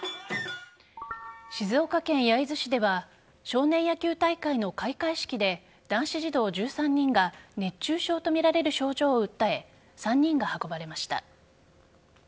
静岡県焼津市では少年野球大会の開会式で男子児童１３人が熱中症とみられる症状を訴え３人が運ばれました。